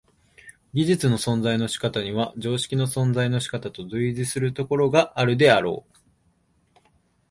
技術の存在の仕方には常識の存在の仕方と類似するところがあるであろう。